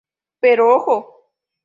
Pero ¡ojo!